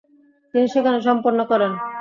তিনি সেখানে সম্পন্ন করেন।